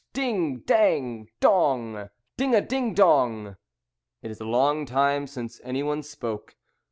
Ding! Dang! Dong! Ding a ding dong! It is a long time since any one spoke.